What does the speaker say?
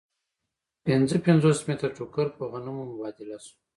پنځه پنځوس متره ټوکر په غنمو مبادله شو